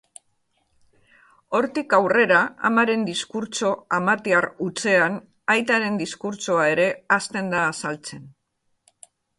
Hortik aurrera, amaren diskurtso amatiar hutsean aitaren diskurtsoa ere hasten da azaltzen.